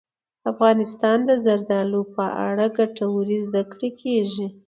افغانستان کې د زردالو په اړه ګټورې زده کړې کېږي.